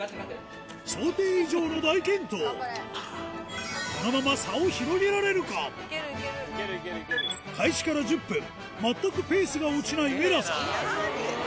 想定以上の大健闘このまま開始から１０分全くペースが落ちないネラさん